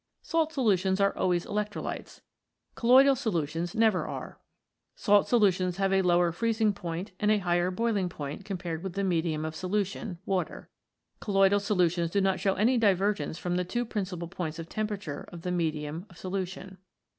Salt solutions are always electrolytes, colloidal solutions never are. Salt solutions have a lower freezing point and a higher boiling point compared with the medium of solution (water). Colloidal solutions do not show any divergence from the two principal points of temperature of the medium of solution.